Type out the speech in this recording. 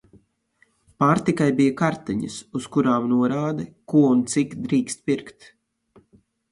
Pārtikai bija "kartiņas", uz kurām norāde, ko un cik drīkst pirkt.